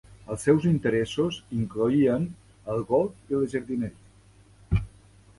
Els seus interessos incloïen el golf i la jardineria.